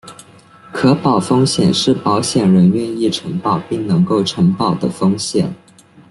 可保风险是保险人愿意承保并能够承保的风险。